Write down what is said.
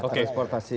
ya transportasi air